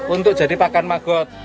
untuk jadi pakan magot